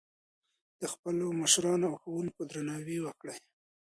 د خپلو مشرانو او ښوونکو درناوی وکړئ.